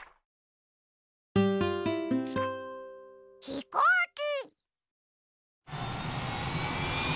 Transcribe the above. ひこうき。